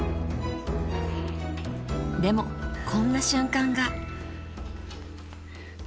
［でもこんな瞬間が］